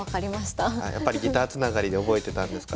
やっぱりギターつながりで覚えてたんですか？